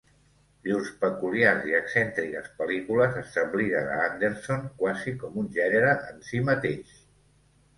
Llurs peculiars i excèntriques pel·lícules establiren a Anderson quasi com un gènere en si mateix.